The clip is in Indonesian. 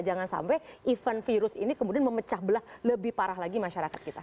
jangan sampai event virus ini kemudian memecah belah lebih parah lagi masyarakat kita